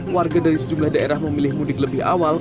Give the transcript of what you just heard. warga dari sejumlah daerah memilih mudik lebih awal